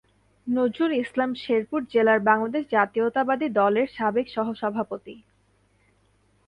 নজরুল ইসলাম শেরপুর জেলা বাংলাদেশ জাতীয়তাবাদী দলের সাবেক সহসভাপতি।